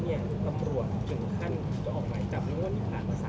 หมอบรรยาหมอบรรยา